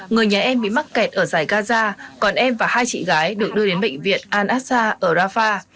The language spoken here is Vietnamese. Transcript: người nhà em bị mắc kẹt ở giải gaza còn em và hai chị gái được đưa đến bệnh viện al assa ở rafah